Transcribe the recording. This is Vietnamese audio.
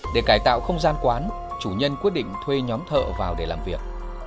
để cải tạo không gian quán chủ nhân quyết định thuê nhóm thợ vào để làm việc